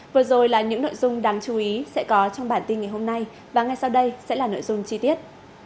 vừa rồi là những nội dung đáng chú ý sẽ có trong bản tin ngày hôm nay và ngay sau đây sẽ là nội dung chi tiết